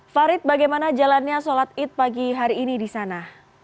farid bagaimana jalannya sholat id pagi hari ini di sana